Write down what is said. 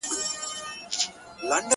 چوروندک سو- پاچهي سوه- فرمانونه-